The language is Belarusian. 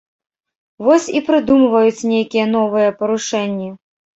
Вось і прыдумваюць нейкія новыя парушэнні.